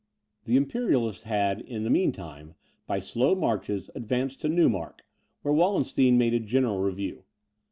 The Imperialists had, in the mean time, by slow marches, advanced to Neumark, where Wallenstein made a general review.